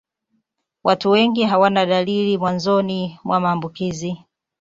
Watu wengi hawana dalili mwanzoni mwa maambukizi.